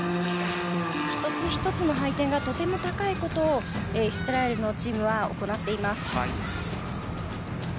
１つ１つの配点がとても高いことをイスラエルのチームは行っています。